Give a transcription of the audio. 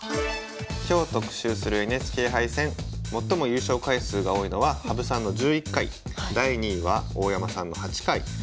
今日特集するＮＨＫ杯戦最も優勝回数が多いのは羽生さんの１１回第２位は大山さんの８回。